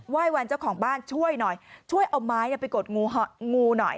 ยวันเจ้าของบ้านช่วยหน่อยช่วยเอาไม้ไปกดงูหน่อย